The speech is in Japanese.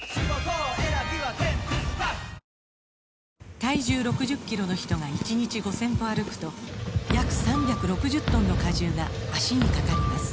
体重６０キロの人が１日５０００歩歩くと約３６０トンの荷重が脚にかかります